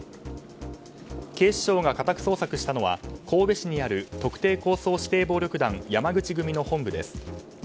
警視庁が家宅捜索したのは神戸市にある特定抗争指定暴力団山口組の本部です。